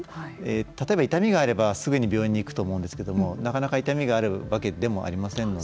例えば、痛みがあればすぐに病院に行くと思うんですけどもなかなか痛みがあるわけでもありませんので。